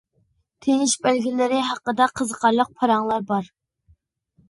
تىنىش بەلگىلىرى ھەققىدە قىزىقارلىق پاراڭلار بار.